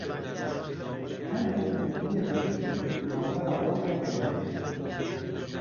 tenê têkiliyeke biçûk di navbera wan de heye.